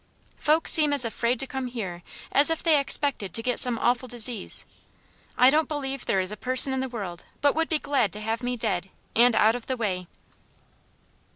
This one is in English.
Folks seem as afraid to come here as if they expected to get some awful disease. I don't believe there is a person in the world but would be glad to have me dead and out of the way."